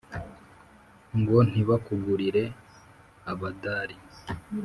Ngo ntibakugurire abadari